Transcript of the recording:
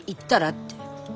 って。